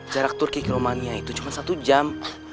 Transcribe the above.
jarak turki kilomania itu cuma satu jam